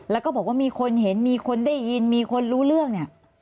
แล้วก็บอกว่ามีคนเห็นมีคนได้ยินมีคนรู้เรื่องเนี่ย